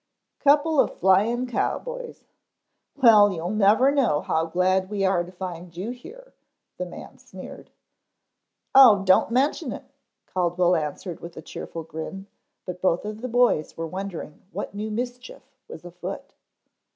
"Couple of flying cowboys. Well, you'll never know how glad we are to find you here," the man sneered. "Oh, don't mention it," Caldwell answered with a cheerful grin, but both of the boys were wondering what new mischief was afoot.